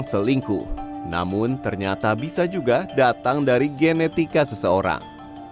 selingkuh namun ternyata bisa juga datang dari genetika seseorang